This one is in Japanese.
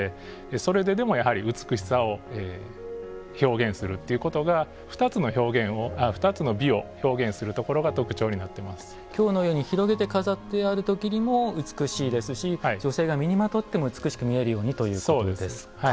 それででもやはり美しさを表現するということが２つの美を表現するところが今日のように広げて飾ってある時にも美しいですし女性が身にまとっても美しく見えるようにということですか。